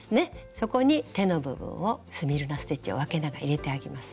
そこに手の部分をスミルナ・ステッチをあけながら入れてあげます。